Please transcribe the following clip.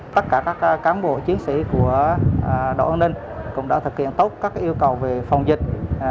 tất cả các cán bộ chiến sĩ của đội an ninh cũng đã thực hiện tốt các yêu cầu về phòng dịch